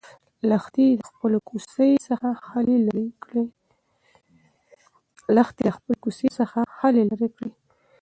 لښتې له خپلې کوڅۍ څخه خلی لرې کړ.